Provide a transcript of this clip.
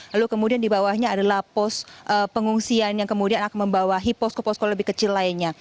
lalu kemudian di bawahnya adalah pos pengungsian yang kemudian akan membawahi posko posko lebih kecil lainnya